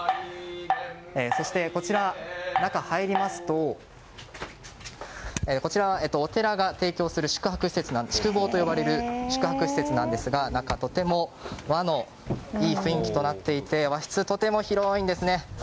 そして、中に入りますとお寺が提供する、宿坊と呼ばれる宿泊施設なんですが中はとても和のいい雰囲気になっていて和室、とても広いんですね。